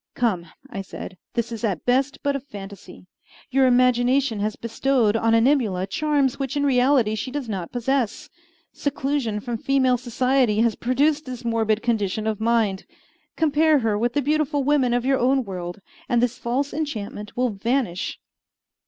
"Come," I said, "this is at best but a fantasy. Your imagination has bestowed on Animula charms which in reality she does not possess. Seclusion from female society has produced this morbid condition of mind. Compare her with the beautiful women of your own world, and this false enchantment will vanish."